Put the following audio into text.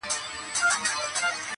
او يوازې پاتې کيږي هره ورځ,